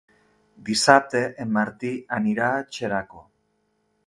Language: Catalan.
Dissabte en Martí anirà a Xeraco.